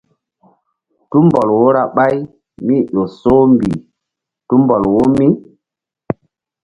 Tumbɔl wo ra ɓáy mí-i ƴo soh mbih tumbɔl wo mí.